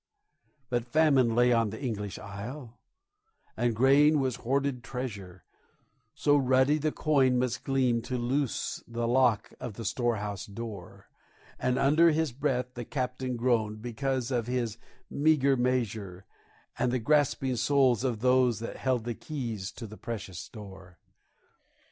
But famine lay on the English isle, and grain was a hoarded treasure, So ruddy the coin must gleam to loose the lock of the store house door; And under his breath the Captain groaned because of his meagre measure, And the grasping souls of those that held the keys to the precious store.